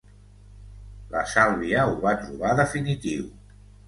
La Sàlvia ho va trobar definitiu.